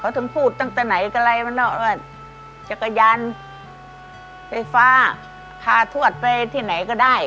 ถึงพูดตั้งแต่ไหนก็ไรมันเนอะว่าจักรยานไฟฟ้าพาทวดไปที่ไหนก็ได้